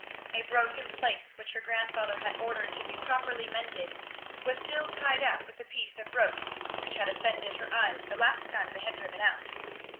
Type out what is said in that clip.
A broken place which her grandfather had ordered to be properly mended was still tied up with the piece of rope which had offended her eyes the last time they had driven out.